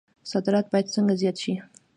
صادرات باید څنګه زیات شي؟